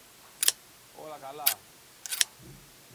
όλα καλά